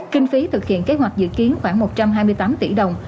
kinh phí thực hiện kế hoạch dự kiến khoảng một trăm hai mươi tám tỷ đồng